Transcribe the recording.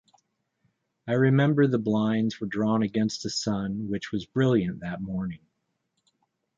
I remember the blinds were drawn against the sun which was brilliant that morning.